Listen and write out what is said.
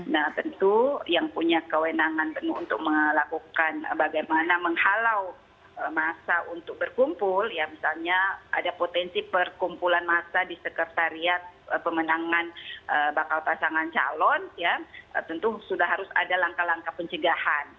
nah tentu yang punya kewenangan penuh untuk melakukan bagaimana menghalau masa untuk berkumpul ya misalnya ada potensi perkumpulan massa di sekretariat pemenangan bakal pasangan calon ya tentu sudah harus ada langkah langkah pencegahan